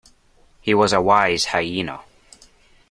He was a wise hyena.